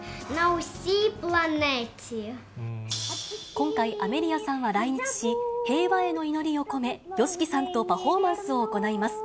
今回、アメリアさんは来日し、平和への祈りを込め、ＹＯＳＨＩＫＩさんとパフォーマンスを行います。